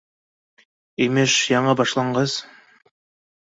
Имеш, яңы башланғыс